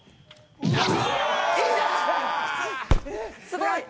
「すごい！」